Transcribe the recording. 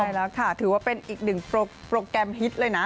ใช่แล้วค่ะถือว่าเป็นอีกหนึ่งโปรแกรมฮิตเลยนะ